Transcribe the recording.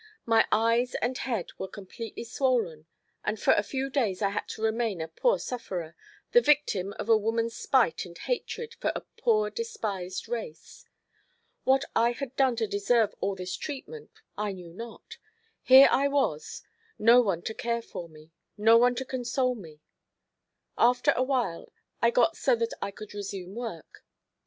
My eyes and head were completely swollen, and for a few days I had to remain a poor sufferer—the victim of a woman's spite and hatred for a poor despised race. What I had done to deserve all this treatment I knew not. Here I was, no one to care for me, no one to console me. After awhile I got so that I could resume work.